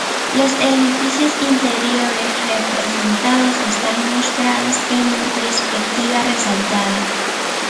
Los edificios interiores representados están mostrados en perspectiva resaltada.